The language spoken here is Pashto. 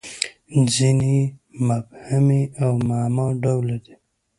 • ځینې یې مبهمې او معما ډوله دي.